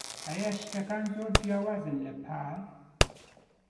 ئایا شتەکان زۆر جیاوازن لە پار؟